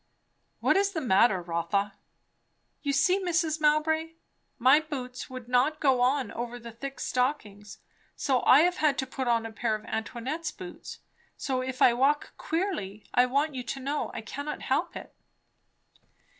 "What is the matter, Rotha?" "You see, Mrs. Mowbray. My boots would not go on over the thick stockings; so I have had to put on a pair of Antoinette's boots. So if I walk queerly, I want you to know I cannot help it."